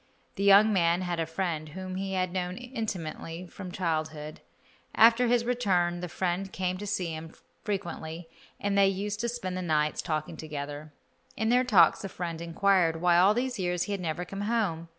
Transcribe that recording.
The young man had a friend whom he had known intimately from childhood. After his return the friend came to see him frequently, and they used to spend the nights talking together. In their talks the friend inquired why in all these years he had never come home.